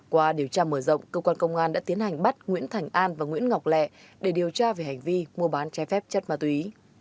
qua điều tra mở rộng cơ quan công an đã tiến hành bắt nguyễn thành an và nguyễn ngọc lẹ để điều tra về hành vi mua bán trái phép chất ma túy